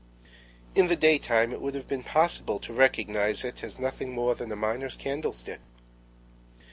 In the daytime it would have been possible to recognize it as nothing more than a miner's candlestick.